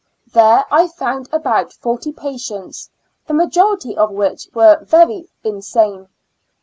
There I found about forty patients, the majority of which were very insane.